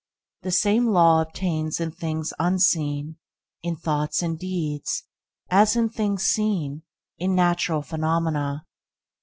The same law obtains in things unseen – in thoughts and deeds as in things seen – in natural phenomena.